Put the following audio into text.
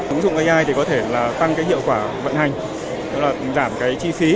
ứng dụng ai có thể tăng hiệu quả vận hành giảm chi phí